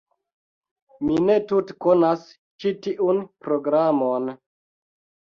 Mi ne tute konas ĉi tiun programon.